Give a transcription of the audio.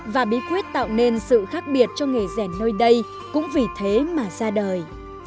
và bí quyết tạo nên sự khác biệt cho nghề rèn nơi đây cũng vì thế mà ra đời